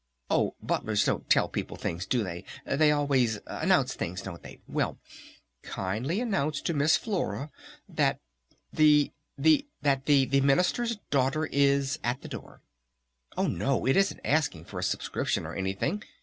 "Oh! Butlers don't 'tell' people things, do they?... They always 'announce' things, don't they?... Well, kindly announce to Miss Flora that the the Minister's Daughter is at the door!... Oh, no! It isn't asking for a subscription or anything!"